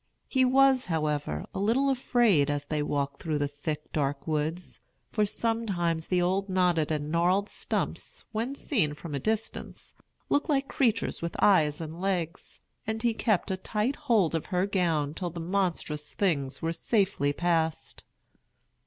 He was, however, a little afraid as they walked through the thick, dark woods; for sometimes the old knotted and gnarled stumps, when seen from a distance, looked like creatures with eyes and legs; and he kept a tight hold of her gown till the monstrous things were safely passed.